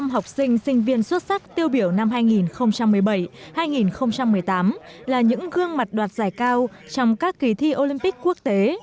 một mươi học sinh sinh viên xuất sắc tiêu biểu năm hai nghìn một mươi bảy hai nghìn một mươi tám là những gương mặt đoạt giải cao trong các kỳ thi olympic quốc tế